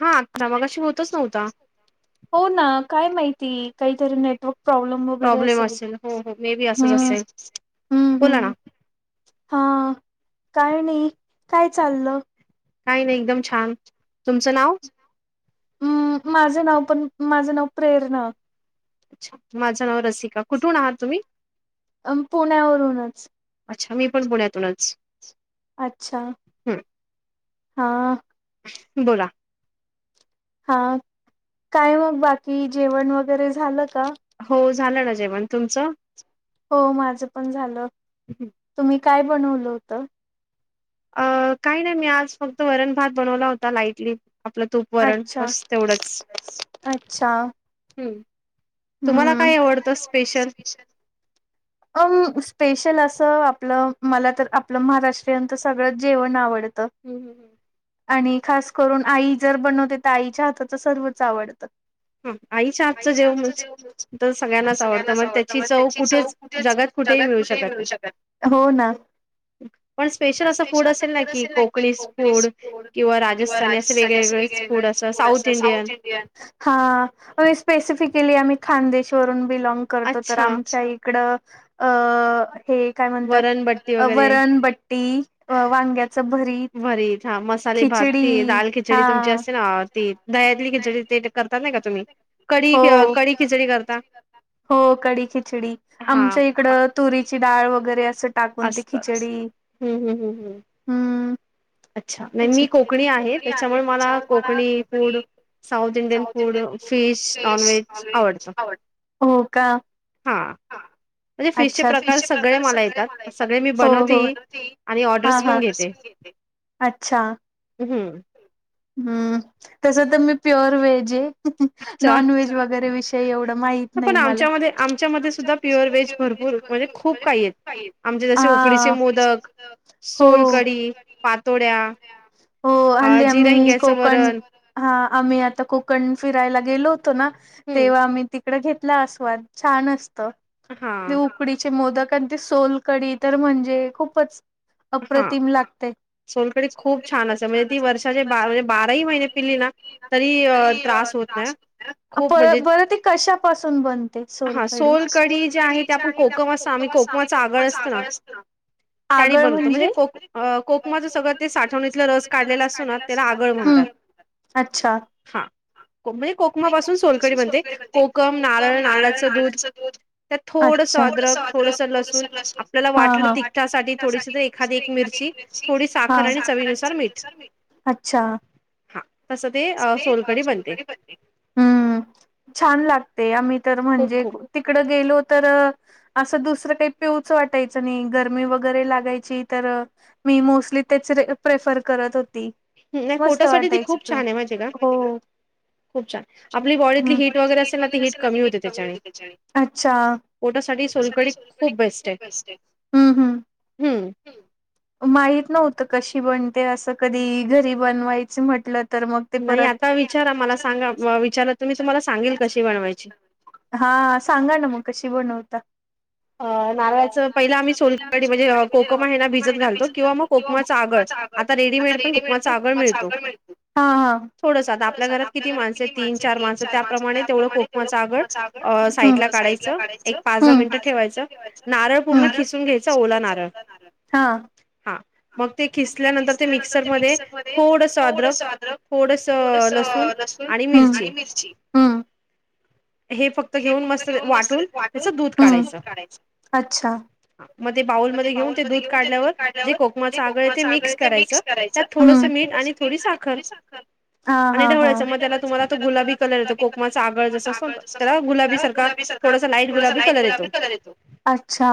हा करा मगाशी होतच नव्हता ती काहीतरी नेटवर्क प्रॉब्लेम वगैरे प्रॉब्लेम असेल हो हो मे बी असंच असेल बोला ना हा काय नाही काय चाललं काही नाही एकदम छान तुमचं नाव हम् माझं नाव पण माझं नाव प्रेरणा अच्छा माझं नाव रसिका कुठून आहात तुम्ही अ पुण्यावरूनच अच्छा मी पण पुण्यातूनच अच्छा हम्म हा बोला हा काय मग बाकी जेवण वगैरे झालं का? हो झालं ना जेवण तुमचं? हो माझं पण झालं. तुम्ही काय बनवलं होत. अ काही नाही मी आज फक्त वरण भात बनवला होता. लाइटली आपलं तूप वरण अच्छा बस तेवढंच अच्छा हूं तुम्हाला हम्म काय आवडतं स्पेशल अम स्पेशल असं आपलं मला तर आपलं महाराष्ट्रीयन सगळं जेवण आवड हूं हूं हूं आणि खास करून आई जर बनवते तर आईच्या हाताच सर्वच आवडतं. हं आईच्या आजचं जेवण तर सगळ्यांनाच आवडतं मग आवडतात त्याची चव कुठेच जगात कुठेही मिळू शकत नाही पण स्पेशल असं फूड असेल ना की कोकणीज् फूड किंवा राजस्थानी असे वेगवेगळेच फूड असं साऊथ इंडियन हा आम्ही स्पेसिफिकली आम्ही खानदेशवरून बिलॉग करतो, तर अच्छा आमच्या इकडं अ हे काय वरणबट्टी म्हणतात वगैरे वरणबट्टी, वांग्याचं भरीत हा मसाले भात, ती खिचडी दाल खिचडी हा तुमची असते ना ती दह्यातली खिचडी ते करतात नाय का तुम्ही कडी हो कडी खिचडी करता हो कडी खिचडी हा आमच्या इकडं तुरीची डाळ वगैरे अस अस टाकून ती असत खिचडी हम्म हम्म हम्म हम्म हम् अच्छा नाही मी कोकणी आहे, त्याच्यामुळे मला Konkani food south Indian food fish non veg आवडतं. हो का? हा म्हणजे फिशचे अच्छा प्रकार सगळे मला येतात, सगळे मी हो बनवते हो ही आणि हा ऑर्डर्स हा पण घेते. अच्छा हूं हम्म तस तर मी प्युअर व्हेज ये. अच्छा नॉनव्हेज वगैरे विषय एवढं माहित पण नाही मला आमच्यामध्ये आमच्यामध्ये सुद्धा प्युअर व्हेज भरपूर म्हणजे खूप काही आहेत आमचे जसे उकडीचे हा, मोदक हो. सोलकडी आज मी कोकण हा आम्ही आता कोकण फिरायला गेलो होतो ना हम्म तेव्हा मी ती तिकडं घेतला आस्वाद छान अस अ मी हा उकडीचे मोदक आणि ते सोलकडी तर म्हणजे खूपच हा अप्रतिम लागते सोलकडी खूप छान असते म्हणजे ती वर्षाचे बा म्हणजे बाराही महिने पिली ना तरी अ, त्रास होत नाही खूप म्हणजे पण ती कशा पासून बनते हा सोलकडी? जे आहे ते आपण कोकम असं आम्ही कोकमाचा आगळ असतं ना त्यानी आगळं म्हणजे? बनवतो म्हणजे कोक कोकमाचं सगळं ते साठवणीतलं रस काढलेला असतो. त्याला आगळ हम्म म्हणतात अच्छा हा कोकमा पासून सोलकडी बनते, कोकम, नारळ, नारळाच दूध, थोडस अच्छा अद्रक, थोडस लसून, आपल्याला हा वाटल तर हा तिखटासाठी थोडीशी एखादी एक मिरची, थोडीशी साखर, आणि चवीनुसार मीठ. अच्छा् हा तसं ते सोलकडी बनते हम छान लाग. ते आम्ही तर खूप म्हणजे खूप तिकड गेलो. तर असं दुसरं काही पिवूच वाटायचं नाही, गरमी वगैरे लागायची तर मी मोस्टली तेच प्रेफर करत होती. हं, नाही मस्त पोटासाठी ती वाटायच खूप तो हो छान आहे माहिती आहे का हम खूप छान आपली बॉडीतली हीट वगैरे असेल ना ती हीट कमी होते त्याच्याने अच्छा पोटासाठी सोलकडी खूप बेस्ट आहे हम हम्म हम माहीत नव्हत कशी बन. ते असं कधी घरी बनवायच म्हटल नाही आता विचारा मला सांगा विचारा तु मी तुम्हाला सांगेल कशी बनवायची. हा सांगा ना मग कशी बनवता? आ नारळाचं पहिलं आम्ही सोलकडी म्हणजे कोकम आहे ना भिजत घालतो किंवा मग कोकमाचं आगळ आता रेडीमेड पण कोकमाच आगळ मिळतो, हा थोडस आता आपल्या घरात किती माणसं आहे तीन चार माणसं त्याप्रमाणे तेवढं कोकमाचं आगळ साईड ला हा साईडला काढायचं एक पाच दहा मिनिटं. नारळ पूर्ण खिसून घ्यायचा ओला नारळ हा हा मग ते खिसल्यानंतर ते मिक्सर मध्ये थोडंसं अदरक, थोडंसं लसूण, आणि मिरची हम्म हम्म हे फक्त घेऊन मस्त वाटून त्याच दूध काढायचं. कढायच. अच्छा, मग ते बाउलमध्ये घेऊन ते दूध काढल्यावर जे कोकमाचं आगळ आहे ते मिक्स करायचं त्यात थोडंसं हम्म मीठ आणि थोडी साखर हा आणि हा हा. ढवळायचं मग त्याला तुम्हाला तो गुलाबी कलर येतो कोकमाचा आगळ जसा असतो त्याला गुलाबी सारखा थोडासा लाईट गुलाबी कलर येतो अच्छा,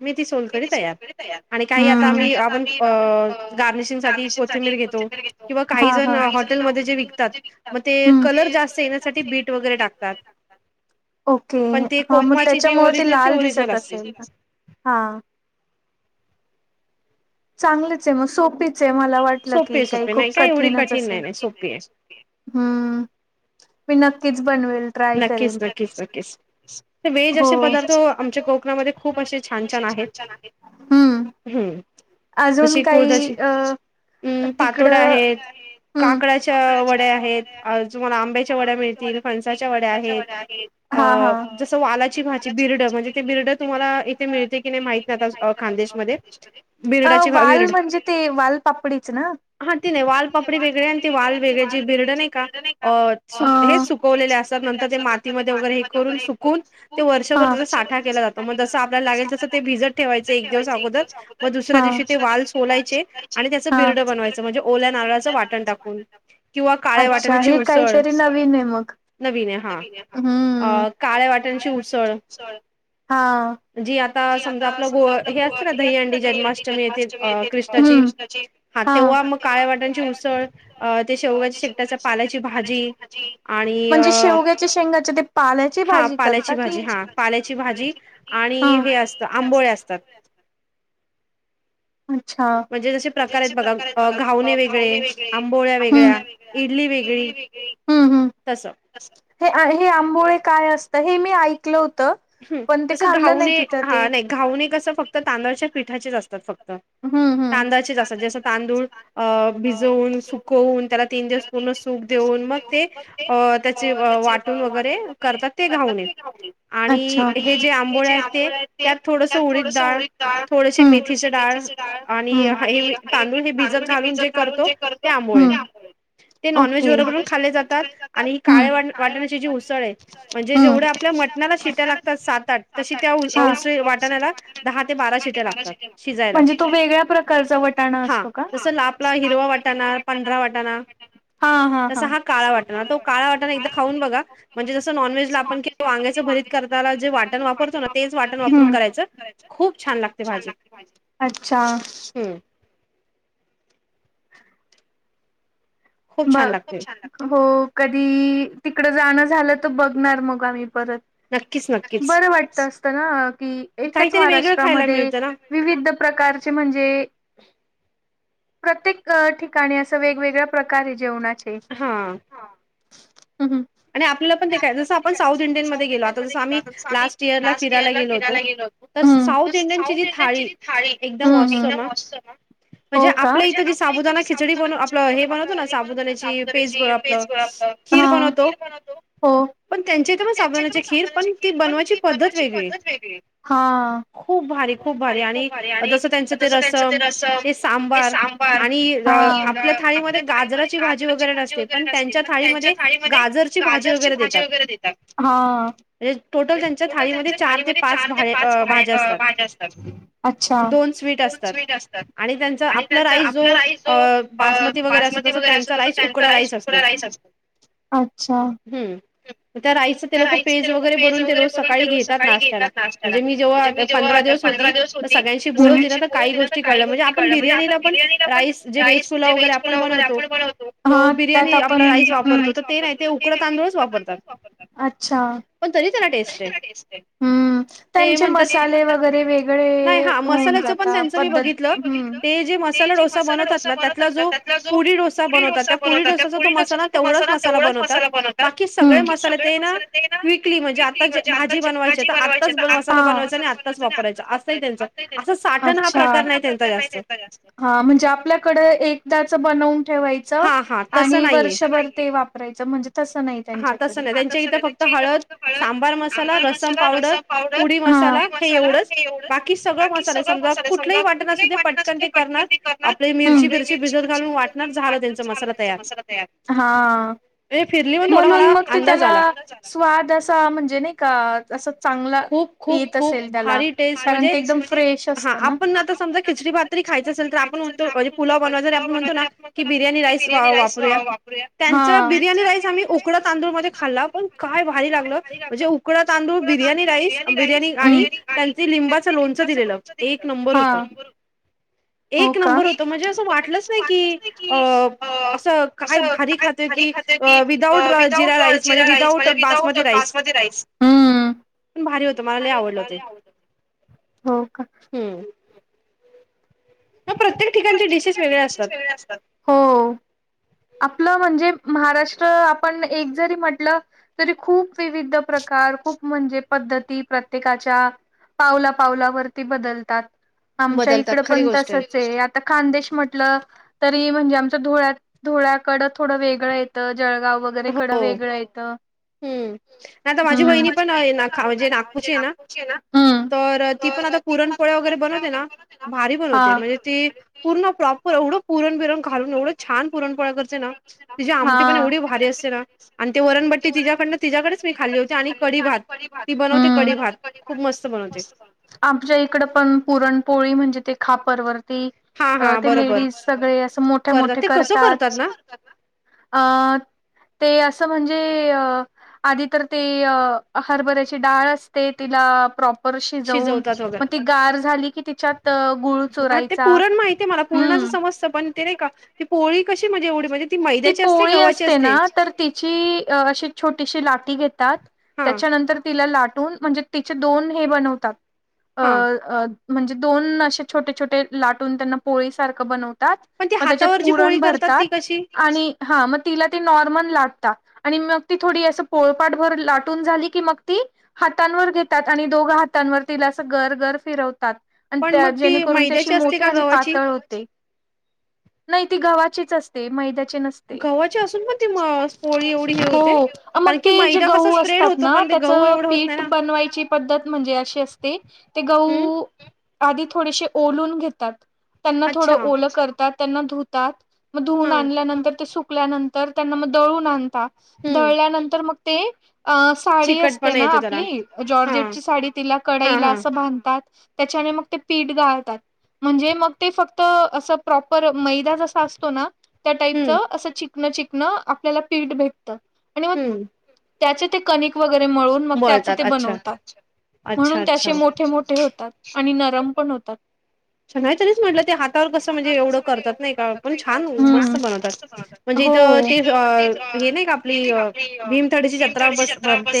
मेथी सोलकढी तयार आणि काही आता आम्ही हा हा आपण गार्निशिंग साठी कोथिंबीर घेतो किंवा काही जण हॉटेलमध्ये जे विकतात मग ते हम्म कलर जास्त येण्यासाठी बीट वगैरे टाकतात पण ते ओके कोकमाची जी त्याच्यामुळं ते ओरिजिनल ती लाल दिसत. ओरिजिनल असते तसेल हा. चांगलीच आहे म सोपीच आहे मला वाटलं की सोपे काही सोपे खूप नाही काय एवढी कठीणच कठीण असेल. नाही नाही सोपी आहे मी नक्कीच बनवेल, ट्राय नक्कीच करेन. नक्कीच नक्कीच तर व्हेज हो असे पदार्थ आमच्या कोकणामध्ये खूप असे छान छान आहेत. हम्म. हम्म अजून जशी कुळदाची काही अ हम्म पातोड्या तिकडं आहेत हम्म काकडाच्या वड्या आहेत तुम्हाला आंब्याच्या वड्या मिळतील फण साच्या वड्या आहेत अ हा हा जसं वालाची भाजी बिरडं म्हणजे ते बिरडं तुम्हाला इथे मिळते की नाही माहित नाही आता खानदेशमध्ये अ बिरडाची भा वाल बिरड म्हणजे ते वालपापडीच ना, हा ते नाही वालपापडी वेगळे आणि ते वाल वेगळे जे बिर्ड अं वलेले असतात. नंतर ते मातीमध्ये वगैरे हे करून सुकून ते हा वर्षभर त्याचा साठा केला जातो. मग जसं आपल्याला लागेल तसं ते भिजत ठेवायच एक दिवस अगोदर मग दुस दुसऱ्या हा दिवशी ते वाल सोलायचे आणि त्याचं हा बिरडं बनवायचं म्हणजे ओल्या नारळाचं वाटण टाकून किंवा काळ्या अच्छा वाटण्याची हे उसळ काहीतरी नवीन आहे मग. नवीन आहे हम्म हा. काळ्या वाटाण्यांची उसळ हा. जी आता समजा आपलं गो हे असते ना दहीहंडी जन्माष्टमी येते अ कृष्णाची हा तेव्हा मग काळ्या वाटाण्यांची उसळ, अ ते शेवग्याच्या शेकटाच्या पाल्याची भाजी आणि म्हणजे अ शेवग्याच्या शेंगाच्या ते पाल्याची हा भाजी करता पाल्याची की, भाजी हा पाल्याची भाजी हा आणि हे असतं आंबोळे असतात अच्छा, म्हणजे जसे प्रकार आहेत बघा घावणे हम्म वेगळे आंबोळ्या वेगळ्या इडली वेगळी हम्म हम्म. तसं हे हे आंबोळे काय असतं? हे मी ऐकलं हो हम् जसं घावणे ते हा नाही घावणे कस फक्त तांदळाच्या पिठाचेच असतात फक्त. हम्म हम्म तांदळाचेच असतात जसं तांदूळ अ भिजवून, सुकवून त्याला तीन दिवस पूर्ण सूक देऊन मग ते अ त्याचे वाटून वगैरे करतात ते घावणे. आणि अच्छा हे जे आंबोळे आहेत ते त्यात थोडंसं उडीद डाळ थोडसे मेथीचे डाळ आणि हे तांदूळ हम्म हे भिजत घालून जे करतो ते हम्म आंबोळे ते नॉनव्हेज बरोबर पण ओके खाल्ले जातात आणि ही काळे वाट वाटाण्याची हम्म जी उसळ आहे म्हणजे जेवढ्या आपल्या हम्म. मटणाला शिट्या लागतात सात आठ त हा त्यास वाटला दहा ते बारा शिट्या लागात शिज म्हणजे तो वेगळ्या प्रकारचा वटाणा हा असतो का जस आपला हिरवा वाटा पांढरा वाटाणा तस हा काळा वाटाणा तो का वाटा एकदा खाऊन बघा म्हणजे जस नॉनव्ज भत करता जे वाटण वापरतो ना तेच वाटण वापरून हम्म करायचं खूप छान लागते भाजी अच्छा हम्म खूप छान लागते बछान हो कधी तिकडं जाणं झालं तर बघणार मग आम्ही नक्कीच नक्कीच बर वाटत असत की एकच काहीतरी वेगळं खायला महाराष्ट्रामध्ये मिळतं ना वि प्रकारचे म्हणजे [unintelligible] प्रत्येक ठिकाणी असं वेगवेगळ प्रकारे जेवण अ हा आणि आपल्याला पण ते काय जसं आपण साऊथ इंडियन मध्ये गेलो आता जसं आम्ही लास्ट इयरला फिरायला गेलो होतो तर हम्म साऊथ इंडियनची जी थाळी एकदम सम हम्म म्हणजे हो का आपलं इथं जी साबुदाना खिचडी बन आपलं हे ब साबुदाची पेस् बर अगोदरची आपलं पेज खीर हा बनवतो हो पण त्यांचेथ मग साबणाची खीर पण ती बनवायची पद्धत वेगळी हा खूप भारी खूप भारी आणि जसं त्यांचं ते रसम ते सांबार आणि आणि आपल्या थाळीमध्ये गाजराची भाजी गाजर वैगरे भाजी नसते पण त्यांच्या थाळी मध्ये गाजर गाजरची भाजी वगैरे देतात म्हणजे त्यांच्या टोटल थाळीमध्ये त्यांच्या ते थाळीमध्ये पाच चार ते भा पाच भाज्या असतात भांड असतात अच्छा दोन स्वीट असतात आणि आणि आपला त्यांचा राईस जो आपला राईस जो अ बासमती वगैरे असतो बासमती तस वगैरे त्यांचा असतस त्यांचा उकडा राईस खुला असतो राईस असतोच हम्म त्या राई ते लोक पेज वगैरे बनून ते रोज सकाळी घेतात नाशत्याला म्हणजे मी जेव्हा पंधरा दिवस होती तर सगळ्यांशी बोल होती ना सगळ्यांशी तर बोलून काही दिलं तर गोष्टी काही कळल्या म्हणजे गोष्टी आपण म्हणजे बिर्याणीला पण बिर्याणीला पण राईस जे वेज पुुला वगैरे आपण बनवतो तो हा त्यात बिर्याणी आपण आपला हम्म. राईस वापरतो तर ते नाही तांदूळच वापरतात अच्छा् पण तरी त्याला टेस्ट आहे. ते त्यांचे म्हणतात की मसाले वगैरे वेगळे नाही हा होऊन मसाल्याचं पण जातात त्यांचं मी पद्धत बघितलं जे ते मसाला जे मसाला डोसा ना बनवतात ना त्यातला जो पुरी बनवतात डोसा बनवतात त्या डोसाचा पुरी डोस्याचा मसाला तो तेवढाच मसाला तेवढच बनवतात मसाला बनवत बाकी सगळे मसाले ते म ना क्विकली म्हणजे आता नाली भाजी म्हणजे बनवायची भाजी तर बनवाय म आत्ताच मसाला आणि आत्ताच बनवायचा आ वापरायचा वापराय असंही त्यांचं असं आ साठण हा प्रकार त्यांचा प्र नाही जास्त म्हणजे आपल्याकड एकदाच बन ठेवायच हा हा तसं आणि नाहीये वर्षभर ते वापरायचं म्हणजे तसं नाही हा त्यांच्याकडे तसं नाही त्यांच्या इथं त्याच्या इथ हळद फक्त सांबार मसाला कळंबार रसम मसाला पावडर रसा पुडी पावडरी मसाला हे मसाला हे एवढंच सगळं बाकी मसाले सगळ मसाले कुठलंही समजा वाटण कुठ असू दे वाट पटकन करणार ते करणार आपली मिरची बिरची मिर भिजत घालून वाटणार झालं त्यांचा मसाला तयार म म्हणजे फिरली त पण थोडा मला म्हण अंदाज त्याला आला स्वाद असा म्हणजे नाही का अससं खूप खूप खूप भारी टेस्ट, कारण म्हणजे ते एकदम फ्रेश हा असतं ना आपण आता समजा खिचडी भातरी खायच असेल, तर आपण म्हणतो म्हणजे पुलाव बनवायचा. आपण म्हणतो ना की बिर्याणी राईस वापरूया, त्यांच हा बिर्याणी राईस आम्ही उकड तांदूळमध्ये खाल्ला पण काय भारी लागलं. म्हणजे उकड तांदूळ बिर्याणी राईस, बिर्याणी आणि त्यांचं लिंबाचं लोणचं दिलेलं एक नंबर होतं. हा हो एक का नंबर होतं म्हणजे असं वाटलं नाही की अ असं काय भारी खाते की विदाऊट जिरा जिरा राईस, म्हणजे विदाउट बसमती राईस. पण भारी होतं मला लय आवडलं ते हो का. हम्म प्रत्येक डिशेस ठिकाणचे वेगळे डिशेस असतात वेगळे असतात. हो आपलं म्हणजे महाराष्ट्र आपण एक जरी म्हटलं, तरी खूप विविध प्रकार खूप म्हणजे पद्धती प्रत्येकाच्या पावला पावलावरती बदलतात. आमच्या बदलतात इकड खरी पण गोष्ट तसच आहे. खानदेश म्हटलं तरी म्हणजे आमच धुळ्या धुळ्याकडं थोडं वेगळं येतं. जळगाव वगैरे कडं हो. वेगळं येत. आ हम्म. आता वहिनी माझी बहिणी आहे पण ना खा म्हणजे ना, नागपूरची आहे ना तर ती पण आता पुरणपोळी वगैरे बनवते ना. भारी करते. पूर्ण प्रॉपर एवढं पुरण बिरण घालून एवढं छान पुरणपोळा करचे ना तिची आमटी पण हा एवढी भारी अस मी खाल्ली होती आणि कढी भात ती बनवते कढी भात खूप मस्त बनवते. आमच्या इकड पण पुरणपोळी म्हणजे ते खापरवर. हा हा ते बरोबर लेडीज सगळे असं मोठ्या करतात मोठे ते कर अ कसं करतात ना? ते असं म्हणजे, अ आधी तर ते अ हरभऱ्याची डाळ असते तिला प्रो शिजवून शिजवतात मग वगैरे ती गार झाली की तिच्या आता गुळ हा ते चोरायचा पुरण माहितीये मला पुरणाचं हम. समजतं पण ते नाही का ती पोळी कशी म्हणजे एवढी म्हणजे ती मैद्याची पोळी गव्हाची असते ना तर तिची अशी छोटीशी लाक ती घेतात. हा त्याच्यानंतर तिला लाट म्हणजे तिचे दोन हे बनवतात. अ हा. अ. म्हणजे दोन असशे छोटे छोटे लाटून त्यांना पोळी सारखं बनवत पण ते हातावर जी पोळी करतात ती कशी आणि हा मग तिला ते नॉर्मल लाटता आणि मग ती थोडी अस पोळपाट भर लाटून झाली की मग ती हातांवर घेतात आणि दोघ हातांवर तिला अस गर गर फिरवतात. आणि पण त्या मग ती जेणेकरून त्याशी मैद्याची असते मोठे का आणि गव्हाची पातळ होते. नाही ती गव्हाची. ते मैदा गव्हाची असून पण ती पोळी एवढी हे होते मग कारण की ते मैदा कसा गहू स्प्रेड असतात होतो ना पण ते त्याच गहू एवढं होत नाही पीठ ना बनवायची पद्त म्हणजे अ अस ते. ते हम्म गहू आधी थोडेसे ओलून घेतात. त्यांना थोडं अच्छा ओलं करतात. त्यांना धुतात. म हा धुनून आणल्यानंतर ते ल्यानंतर त्यांना मग दळून आण. हम्म दळल्यानंतर मग ते अ साडी चिकट असते पण ना येतो त्याला आपली हा जॉर्जेटची साडी तिला हा कडईला हा असं बांधतात. त्याच्याने मग ते पीठ गाळतात म्हणजे मग ते फक्त अस प्रॉपर मैदा तो ना त्या टाईप च हम्म अस चिकनं आपल्याला पीठ भेट आणि मग हम्म त्याचे ते कनिक व मळून म त्याच् ते बळतात अच्छा बनतात अच्छा म्हणून त्या अच्छा अशें मोठे मोठे होतात. आणि नरम पण होतात. नाही तरीच म्हटलं, ते हातावर कसं म्हणजे एवढं करतात नाही का पण हा न हम्म मस्त बनवतात म्हणजे, इथं हो. ते हे नाही का आपली भीमथडीची जत्रा बस भरते.